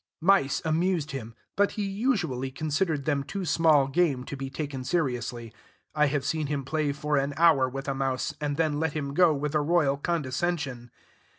Mice amused him, but he usually considered them too small game to be taken seriously; I have seen him play for an hour with a mouse, and then let him go with a royal condescension.